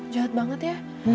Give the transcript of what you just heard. jahat banget ya